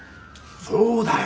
そうだよ。